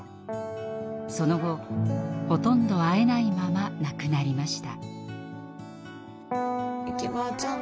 その後ほとんど会えないまま亡くなりました。